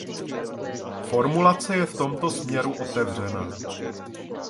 Formulace je v tomto směru otevřená.